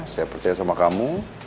saya percaya sama kamu